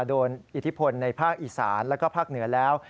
อิทธิพลในภาคอีสานแล้วก็ภาคเหนือแล้ว